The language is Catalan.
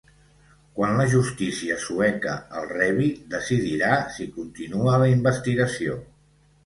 Quan la justícia sueca el rebi, decidirà si continua la investigació.